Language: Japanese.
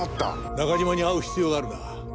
中島に会う必要があるな。